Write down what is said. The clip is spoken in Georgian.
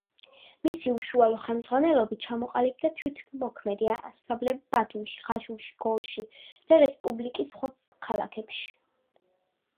მისი უშუალო ხელმძღვანელობით ჩამოყალიბდა თვითმოქმედი ანსამბლები ბათუმში, ხაშურში, გორში და რესპუბლიკის სხვა ქალაქებში.